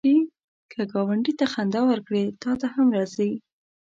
که ګاونډي ته خندا ورکړې، تا ته هم راځي